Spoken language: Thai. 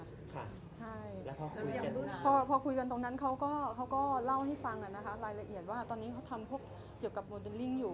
ใช่พอคุยกันตรงนั้นเขาก็เขาก็เล่าให้ฟังนะคะรายละเอียดว่าตอนนี้เขาทำพวกเกี่ยวกับโมเดลลิ่งอยู่